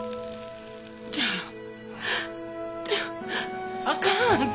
ちょあかんあんた